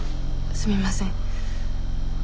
すみません。